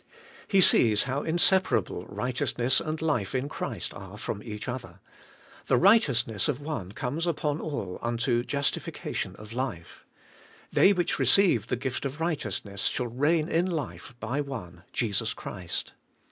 He sees how inseparable righteousness and life in Christ are from each other: 'The right eousness of one comes upon all unto jiistification of life,'' 'They which receive the gift of righteousness shall reign in life by one, Jesus Christ.'